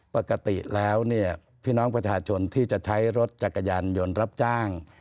ปกติแล้วเนี่ยพี่น้องประชาชนที่จะใช้รถจักรยานยนต์รับจ้าง